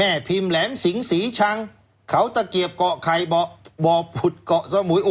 พิมพ์แหลมสิงศรีชังเขาตะเกียบเกาะไข่บ่อผุดเกาะสมุย